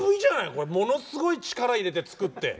これものすごい力入れて作って。